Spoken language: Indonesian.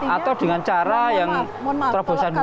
atau dengan cara yang terobosan dulu